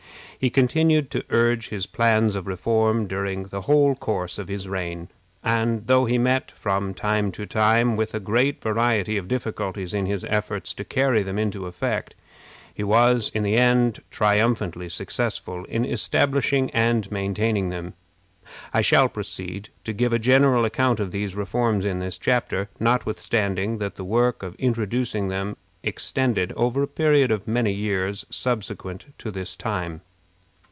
He continued to urge his plans of reform during the whole course of his reign, and though he met from time to time with a great variety of difficulties in his efforts to carry them into effect, he was in the end triumphantly successful in establishing and maintaining them. I shall proceed to give a general account of these reforms in this chapter, notwithstanding that the work of introducing them extended over a period of many years subsequent to this time.